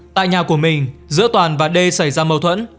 tại nhà của mình giữa toàn và đê xảy ra mâu thuẫn